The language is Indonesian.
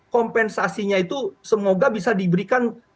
kompensasinya itu semoga bisa diberikan